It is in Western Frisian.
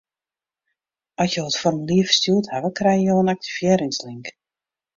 At jo it formulier ferstjoerd hawwe, krijge jo in aktivearringslink.